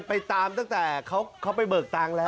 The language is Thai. ไปตามตั้งแต่เขาไปเบิกตังค์แล้ว